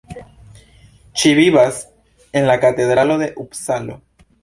Ŝi vivas en la Katedralo de Upsalo.